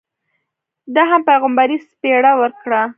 ده هم پیغمبري څپېړه ورکړه.